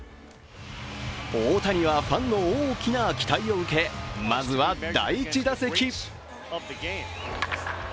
大谷はファンの大きな期待を受け、まずは第１打席。